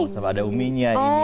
sama ada umi nya ini